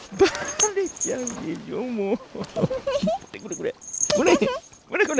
これこれ！